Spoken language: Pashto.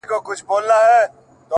o د رڼاگانو شيسمحل کي به دي ياده لرم ـ